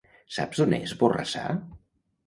Saps on és Borrassà?